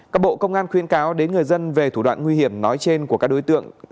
các bộ công an khuyên cáo đến người dân về thủ đoạn nguy hiểm nói trên của các đối tượng